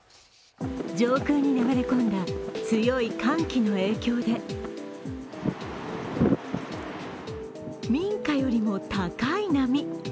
上空に流れ込んだ強い寒気の影響で民家よりも高い波。